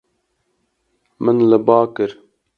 Min li ba kir.